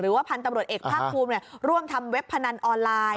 พันธุ์ตำรวจเอกภาคภูมิร่วมทำเว็บพนันออนไลน์